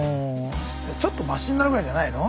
ちょっとましになるぐらいじゃないの？